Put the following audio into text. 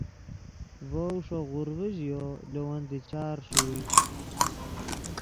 ڤؤ ݰے غورڤے ژیو لے ون دیچار ݰوئے